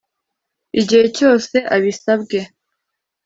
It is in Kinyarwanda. igihe cyose abisabwe